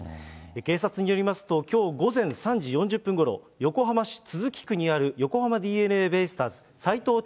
警察によりますと、きょう午前３時４０分ごろ、横浜市都筑区にある横浜ＤｅＮＡベイスターズ、斎藤隆